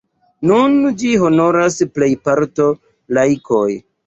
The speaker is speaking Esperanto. Nun ĝin honoras plejparto laikoj.